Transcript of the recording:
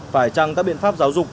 phải chăng các biện pháp giáo dục